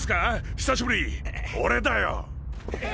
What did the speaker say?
久しぶり俺だよ。